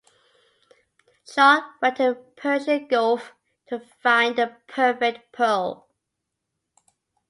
Jacques went to the Persian Gulf to find the perfect pearl.